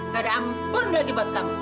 gak ada ampun lagi buat kamu